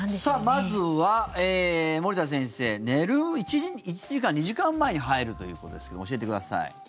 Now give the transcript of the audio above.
まずは、森田先生寝る１時間、２時間前に入るということですけども教えてください。